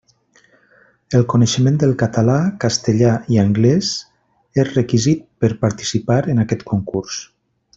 El coneixement del català, castellà i anglès és requisit per participar en aquest concurs.